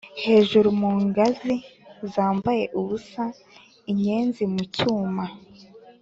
hejuru ku ngazi zambaye ubusa, inyenzi mu cyuma,